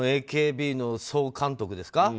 ＡＫＢの総監督ですか。